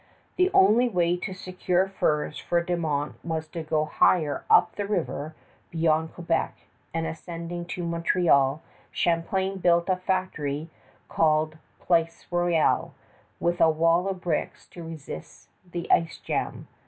The only way to secure furs for De Monts was to go higher up the river beyond Quebec; and ascending to Montreal, Champlain built a factory called Place Royale, with a wall of bricks to resist the ice jam.